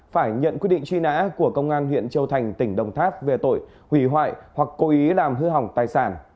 phải nhận quyết định truy nã của công an huyện châu thành tỉnh đồng tháp về tội hủy hoại hoặc cố ý làm hư hỏng tài sản